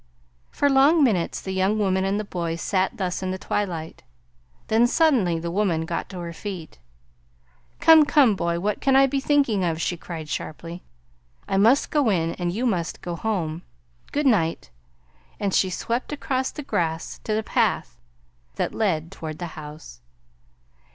For long minutes the young woman and the boy sat thus in the twilight. Then suddenly the woman got to her feet. "Come, come, boy, what can I be thinking of?" she cried sharply. "I must go in and you must go home. Good night." And she swept across the grass to the path that led toward the house.